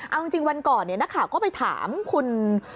เอาจริงวันก่อนนักข่าวก็ไปถามคุณ